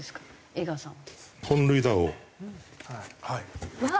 江川さん。